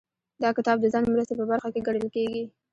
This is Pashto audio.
دا کتاب د ځان مرستې په برخه کې ګڼل کیږي.